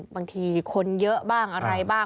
บางทีคนเยอะบ้างอะไรบ้าง